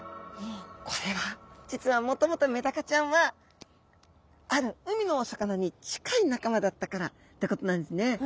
これは実はもともとメダカちゃんはある海のお魚に近い仲間だったからってことなんですね。